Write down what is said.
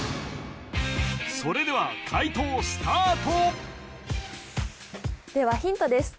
それでは解答スタートではヒントです